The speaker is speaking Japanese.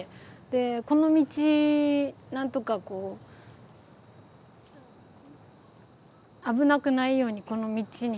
でこの道なんとかこう危なくないようにこの道に避難してて。